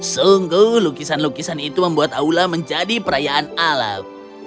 sungguh lukisan lukisan itu membuat aula menjadi perayaan alam